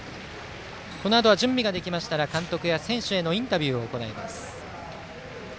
このあとは準備ができましたら監督や選手へのインタビューを行います。